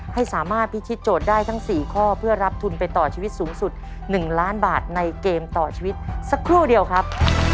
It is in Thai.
ให้สามารถพิธีโจทย์ได้ทั้ง๔ข้อเพื่อรับทุนไปต่อชีวิตสูงสุด๑ล้านบาทในเกมต่อชีวิตสักครู่เดียวครับ